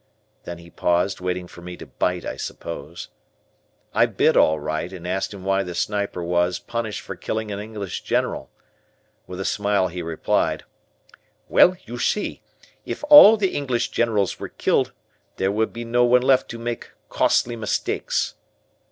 Then he paused, waiting for me to bite, I suppose. I bit all right and asked him why the sniper was, punished for killing an English general. With a smile he replied: "Well, you see, if all the English generals were killed, there would be no one left to make costly mistakes."